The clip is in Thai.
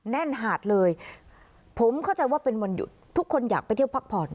แน่นหาดเลยผมเข้าใจว่าเป็นวันหยุดทุกคนอยากไปเที่ยวพักผ่อน